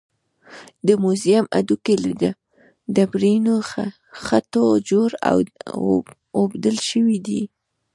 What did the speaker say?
د موزیم هډوکي له ډبرینو خښتو جوړ او اوبدل شوي دي.